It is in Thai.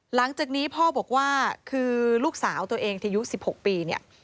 หลังจากนี้พ่อบอกว่าคือลูกสาวตัวเองที่อายุ๑๖ปีเนี่ย